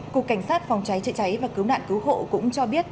cục cảnh sát phòng cháy chữa cháy và cứu nạn cứu hộ cũng cho biết